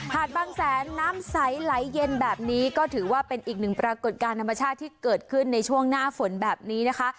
หาดบางแสนน้ำใสไหลเย็นแบบนี้ก็ถือว่าเป็นอีกหนึ่งปรากฏการณ์ธรรมชาติที่เกิดขึ้นในช่วงหน้าฝนแบบนี้นะคะ